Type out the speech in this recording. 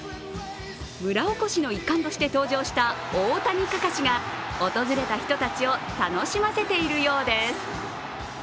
村おこしの一環として登場した大谷かかしが訪れた人たちを楽しませているようです。